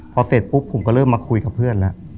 พอเสร็จปุ๊บผมก็เริ่มมาคุยกับเพื่อนแล้ว